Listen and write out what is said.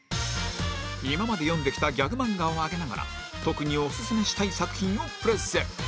今まで読んできたギャグ漫画を挙げながら特にオススメしたい作品をプレゼン